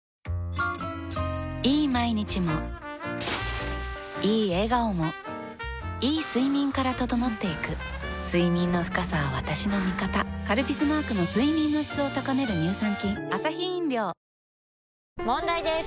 いい毎日もいい笑顔もいい睡眠から整っていく睡眠の深さは私の味方「カルピス」マークの睡眠の質を高める乳酸菌問題です！